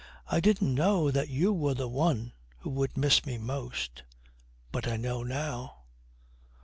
I didn't know that you were the one who would miss me most; but I know now.'